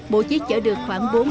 bộ chiếc chở được khoảng